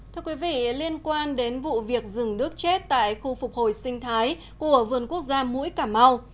thưa quý vị liên quan đến vụ việc rừng nước chết tại khu phục hồi sinh thái của vườn quốc gia mũi cảm mau